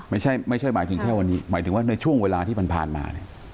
ไม่ใช่หมายถึงแค่วันนี้หมายถึงว่าในช่วงเวลาที่มันผ่านมา